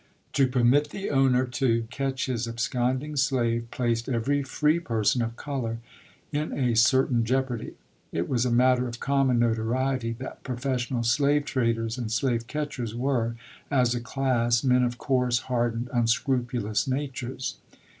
To per mit the owner to catch his absconding slave placed every free person of color in a certain jeopardy. It was a matter of common notoriety that profes sional slave traders and slave catchers were, as a class, men of coarse, hardened, unscrupulous natures.